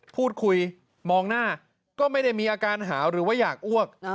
พูดคุยมองหน้าก็ไม่ได้มีอาการหาวหรือว่าอยากอ้วก